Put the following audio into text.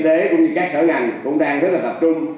y tế cũng như các sở ngành cũng đang rất là tập trung